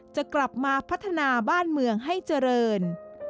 จะกลับมาพัฒนาบ้านเมืองให้เจริญ